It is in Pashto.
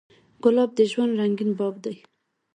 ګلاب د ژوند رنګین باب دی.